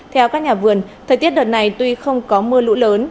theo các nhà vườn thời tiết đợt này tuy không có mưa lũ lớn